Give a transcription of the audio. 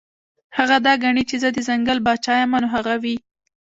هغه دا ګڼي چې زۀ د ځنګل باچا يمه نو هغه وي -